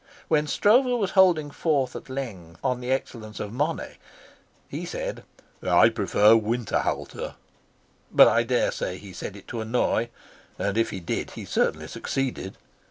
When Stroeve was holding forth at length on the excellence of Monet, he said: "I prefer Winterhalter." But I dare say he said it to annoy, and if he did he certainly succeeded.